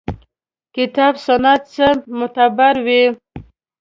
کتاب سنت څخه معتبر وي.